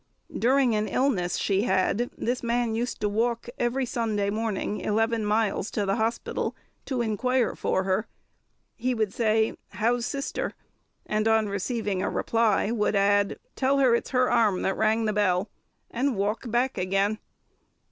During an illness she had, this man used to walk every Sunday morning eleven miles to the hospital to inquire for her. He would say, "How's Sister?" and on receiving a reply would add, "Tell her it's her arm that rang the bell," and walk back again.